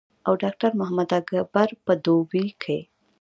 او ډاکټر محمد اکبر پۀ دوبۍ کښې